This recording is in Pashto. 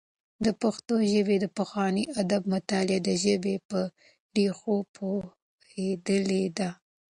د پښتو ژبې د پخواني ادب مطالعه د ژبې په ريښو پوهېدل دي.